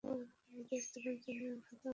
আমার উপদেশ তোমাদের জন্য আর আমার ভাতা অন্যের উপর।